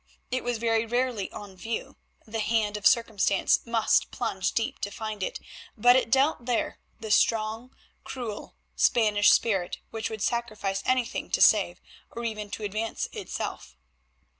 It was very rarely on view; the hand of circumstance must plunge deep to find it, but it dwelt there; the strong, cruel Spanish spirit which would sacrifice anything to save, or even to advance, itself.